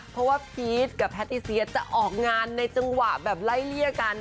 เพราะว่าพีชกับแพทติเซียจะออกงานในจังหวะแบบไล่เลี่ยกัน